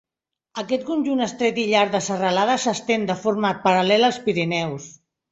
Aquest conjunt estret i llarg de serralades s'estén de forma paral·lela als Pirineus.